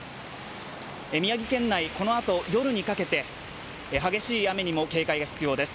宮城県内、このあと夜にかけて激しい雨にも警戒が必要です。